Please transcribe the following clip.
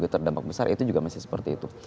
terdampak besar itu juga masih seperti itu